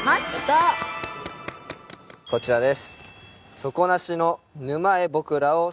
こちらです。